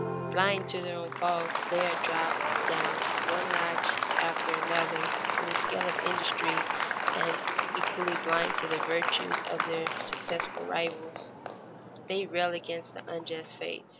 Blind to their own faults, they are dropped down one notch after another in the scale of industry, and, equally blind to the virtues of their successful rivals, they rail against the unjust fates.